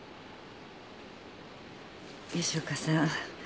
吉岡さん。